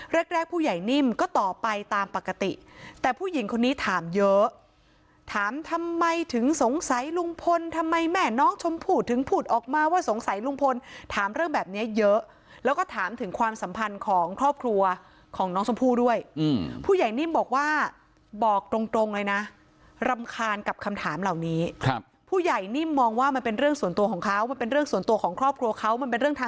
เร็กผู้ใหญ่นิ่มก็ต่อไปตามปกติแต่ผู้หญิงคนนี้ถามเยอะถามทำไมถึงสงสัยลุงพลทำไมแม่น้องชมพู่ถึงพูดออกมาว่าสงสัยลุงพลถามเรื่องแบบนี้เยอะแล้วก็ถามถึงความสัมพันธ์ของครอบครัวของน้องชมพู่ด้วยผู้ใหญ่นิ่มบอกว่าบอกตรงเลยนะรำคาญกับคำถามเหล่านี้ผู้ใหญ่นิ่มมองว่ามันเป็นเรื่องส่วนตัวของเขามัน